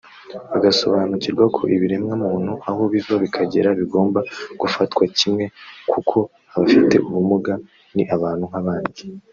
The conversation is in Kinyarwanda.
bagasobanukirwa ko ibiremwamuntu aho biva bikagera bigomba gufatwa kimwe kuko abafite ubumuga ni abantu nk’abandi